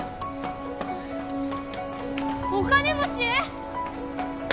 お金持ち！